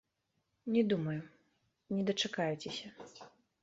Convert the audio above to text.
Не, думаю, не дачакаецеся.